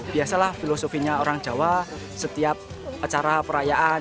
biasalah filosofinya orang jawa setiap acara perayaan